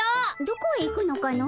どこへ行くのかの？